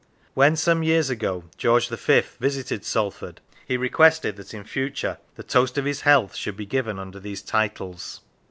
When, some years ago, King George V. visited Salford, he requested that in future the toast of his health should be given under these titles.